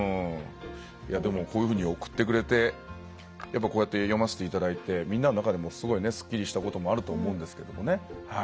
いやでもこういうふうに送ってくれてやっぱこうやって読ませて頂いてみんなの中でもすごいすっきりしたこともあると思うんですけどもね。